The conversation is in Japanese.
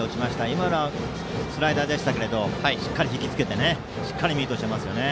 今のはスライダーでしたけどもしっかり引き付けてしっかりミートしていますね。